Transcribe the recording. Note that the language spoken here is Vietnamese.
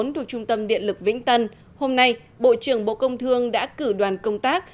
thuộc trung tâm điện lực vĩnh tân hôm nay bộ trưởng bộ công thương đã cử đoàn công tác